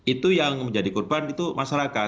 itu yang menjadi korban itu masyarakat